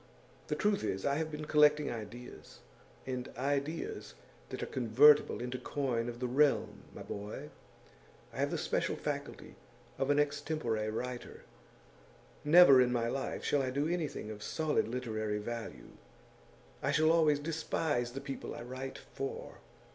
The truth is, I have been collecting ideas, and ideas that are convertible into coin of the realm, my boy; I have the special faculty of an extempore writer. Never in my life shall I do anything of solid literary value; I shall always despise the people I write for.